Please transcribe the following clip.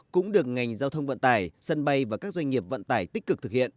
cũng được ngành giao thông vận tải sân bay và các doanh nghiệp vận tải tích cực thực hiện